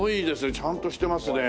ちゃんとしてますねえ。